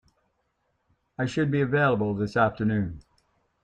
I should be available this afternoon